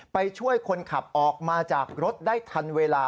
ไปช่วยคนขับออกมาจากรถได้ทันเวลา